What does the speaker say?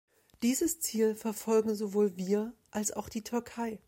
Dieses Ziel verfolgen sowohl wir als auch die Türkei.